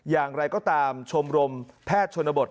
อย่างไรก็ตามชมรมแพทย์ชนบท